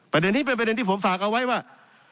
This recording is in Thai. ประเด็นนี้เป็นประเด็นที่ผมฝากเอาไว้ว่า